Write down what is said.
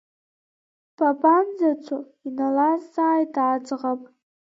Бабанӡацо, иналазҵааит аӡӷаб.